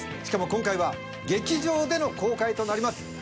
しかも今回は劇場での公開となります。